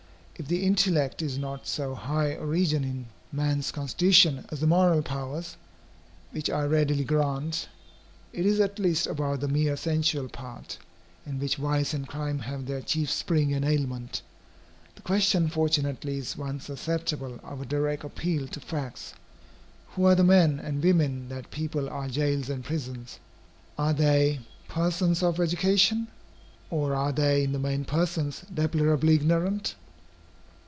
If the intellect is not so high a region in man's constitution as the moral powers, which I readily grant, it is at least above the mere sensual part, in which vice and crime have their chief spring and aliment. The question fortunately is one susceptible of a direct appeal to facts. Who are the men and women that people our jails and prisons? Are they persons of education, or are they in the main persons deplorably ignorant?